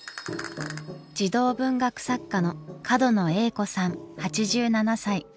児童文学作家の角野栄子さん８７歳。